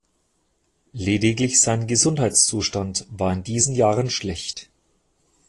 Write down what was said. Lediglich sein Gesundheitszustand war in diesen Jahren schlecht.